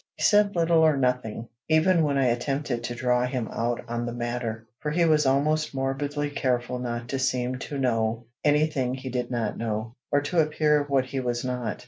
He said little or nothing, even when I attempted to draw him out on the matter; for he was almost morbidly careful not to seem to know any thing he did not know, or to appear what he was not.